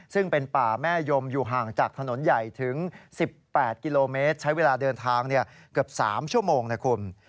ซึ่งเป็นป่าแม่ยมอยู่ห่างจากถนนใหญ่ถึง๑๘กิโลเมตรใช้เวลาเดินทางเกือบ๓ชั่วโมงนะคุณ